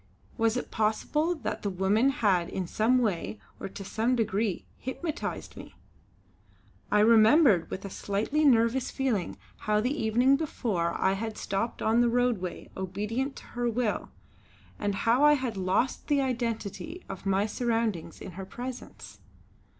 Was it possible that the woman had in some way, or to some degree, hypnotised me. I remembered with a slightly nervous feeling how the evening before I had stopped on the roadway obedient to her will, and how I had lost the identity of my surroundings in her presence.